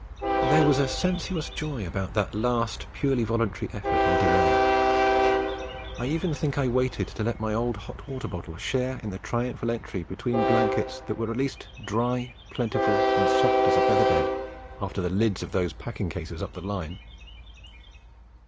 There was a sensuous joy about that last purely voluntary effort and delay. I even think I waited to let my old hot water bottle share in the triumphal entry between blankets that were at least dry, plentiful, and soft as a feather bed after the lids of those packing cases up the Line!